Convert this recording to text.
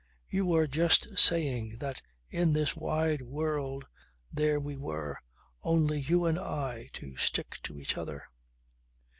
"You were just saying that in this wide world there we were, only you and I, to stick to each other."